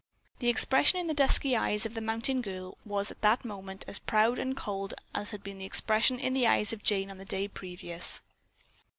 The expression in the dusky eyes of the mountain girl was at that moment as proud and cold as had been the expression in the eyes of Jane on the day previous.